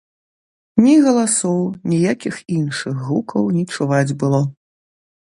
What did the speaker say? Ні галасоў, ніякіх іншых гукаў не чуваць было.